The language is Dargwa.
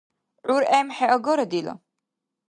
ГӀур эмхӀе агара дила.